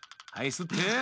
すって！